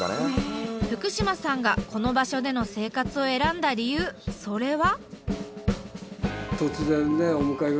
福島さんがこの場所での生活を選んだ理由それは？